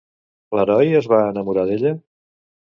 L'heroi es va enamorar d'ella?